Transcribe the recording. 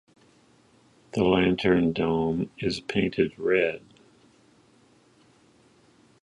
The lantern dome is painted red.